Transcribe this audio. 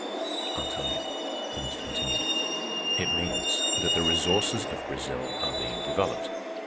"I'll tell you," Ernest continued. "It means that the resources of Brazil are being developed.